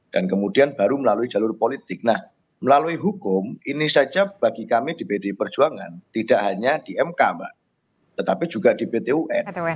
dan kemudian baru melalui jalur politik nah melalui hukum ini saja bagi kami di pdi perjuangan tidak hanya di mk mbak tetapi juga di pt un